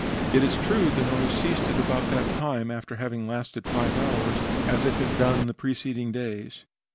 It is true the noise ceased about that time after having lasted five hours, as it had done the preceding days.